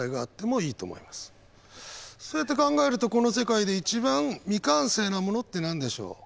そうやって考えるとこの世界で一番未完成なものって何でしょう？